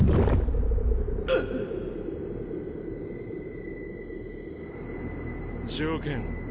うっ⁉条件